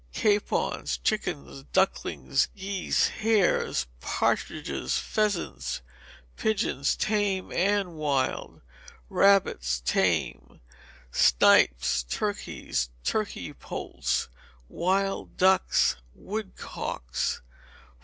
Capons, chickens, ducklings, geese, hares, partridges, pheasants, pigeons (tame and wild), rabbits (tame), snipes, turkeys, turkey poults, wild ducks, woodcocks.